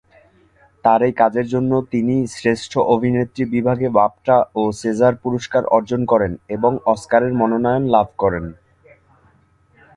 তার এই কাজের জন্য তিনি শ্রেষ্ঠ অভিনেত্রী বিভাগে বাফটা ও সেজার পুরস্কার অর্জন করেন এবং অস্কারের মনোনয়ন লাভ করেন।